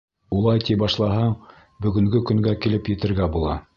Улай ти башлаһаң, бөгөнгө көнгә килеп етергә була.